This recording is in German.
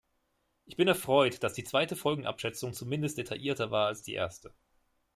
Ich bin erfreut, dass die zweite Folgenabschätzung zumindest detaillierter war als die erste.